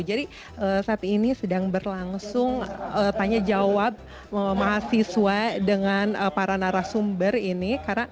jadi saat ini sedang berlangsung tanya jawab mahasiswa dengan para narasumber ini